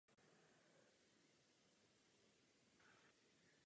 Průběh závodu postihly nepříznivé klimatické podmínky.